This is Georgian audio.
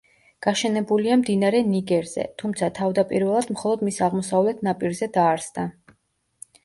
გაშენებულია მდინარე ნიგერზე, თუმცა თავდაპირველად მხოლოდ მის აღმოსავლეთ ნაპირზე დაარსდა.